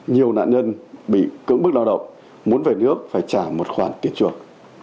nhiều nạn nhân bị cưỡng bức lao động muốn về nước phải trả một khoản tiền chuộc